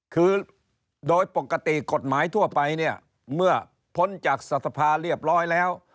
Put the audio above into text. คือโดยปกติกฎหมายทั่วไปเนี่ยเมื่อพ้นจากสภาเรียบร้อยแล้ว